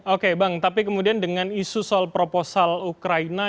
oke bang tapi kemudian dengan isu soal proposal ukraina